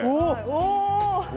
お。